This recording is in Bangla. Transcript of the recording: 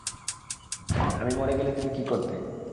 আমি মরে গেলে তুমি কী করতে?